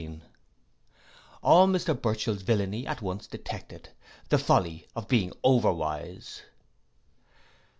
All, Mr Burchell's villainy at once detected. The folly of being over wise.